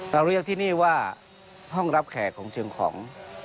เราเรียกที่นี่ว่าห้องรับแขกของเชียงของ